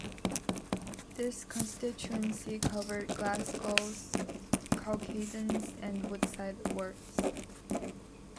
The constituency covered Glasgow's Cowcaddens and Woodside wards.